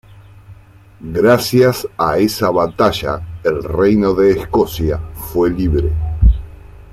Gracias a esa batalla el Reino de Escocia fue libre.